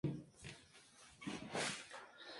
De conseguir apoyo, pero no fue posible.